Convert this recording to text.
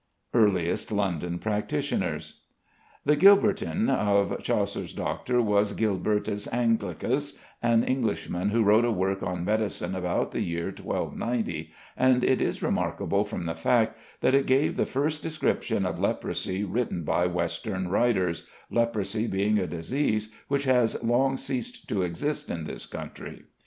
EARLIEST LONDON PRACTITIONERS. The "Gilbertyn" of Chaucer's doctor was =Gilbertus Anglicus=, an Englishman who wrote a work on medicine about the year 1290, and it is remarkable from the fact that it gave the first description of leprosy written by western writers, leprosy being a disease which has long ceased to exist in this country.